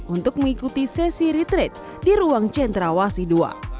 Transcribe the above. untuk mengikuti sesi retreat di ruang centrawasi ii